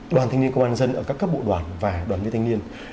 đoàn thanh niên công an nhân dân ở các bộ đoàn và đoàn viên thanh niên